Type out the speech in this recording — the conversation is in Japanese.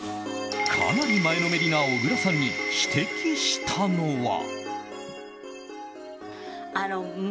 かなり前のめりな小倉さんに指摘したのは。